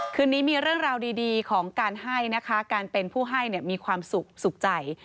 คืนนี้มีเรื่องราวดีของการให้นะคะการเป็นผู้ให้มีความสุขสุขใจ